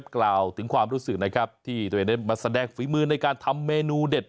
กล่าวถึงความรู้สึกนะครับที่ตัวเองได้มาแสดงฝีมือในการทำเมนูเด็ด